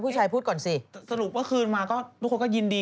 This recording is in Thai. ไม่ใช่อะไรอย่างงี้